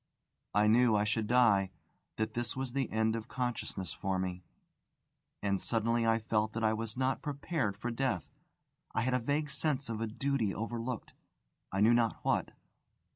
I knew I should die that this was the end of consciousness for me. And suddenly I felt that I was not prepared for death: I had a vague sense of a duty overlooked I knew not what.